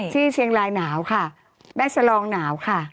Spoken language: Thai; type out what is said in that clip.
ที่เชียงรายหนาวค่ะแม่สลองหนาวค่ะ